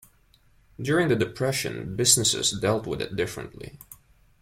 During the depression, businesses dealt with it differently.